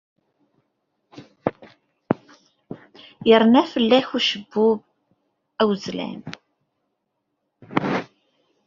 Yerna fell-ak ucebbub awezlan.